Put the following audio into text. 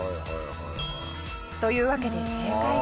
というわけで正解は。